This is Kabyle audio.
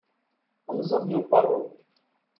Anẓad n uqerru.